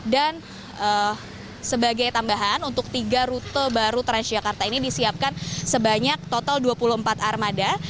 dan sebagai tambahan untuk tiga rute baru transjakarta ini disiapkan sebanyak total dua puluh empat armada